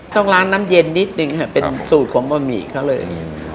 ต้องล้างน้ำเย็นนิดนึงค่ะเป็นสูตรของบะหมี่เขาเลย